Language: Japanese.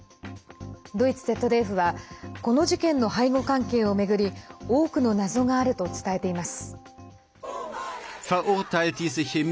ドイツＺＤＦはこの事件の背後関係を巡り多くの謎があると伝えています。